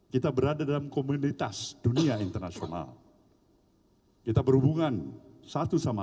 kita berada dalam komunitas dunia internasional kita berhubungan satu sama